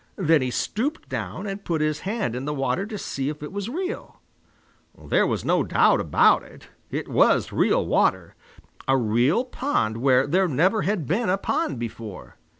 Then he stooped down and put his hand in the water to see if it was real. There was no doubt about it. It was real water, a real pond where there never had been a pond before.